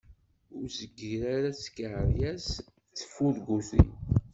Ur zeggir ara i tkeryas d yifurguten.